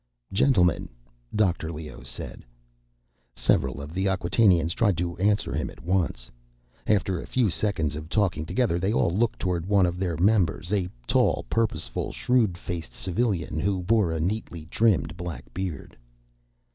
"Gentlemen," Dr. Leoh said. Several of the Acquatainians tried to answer him at once. After a few seconds of talking together, they all looked toward one of their members—a tall, purposeful, shrewd faced civilian who bore a neatly trimmed black beard.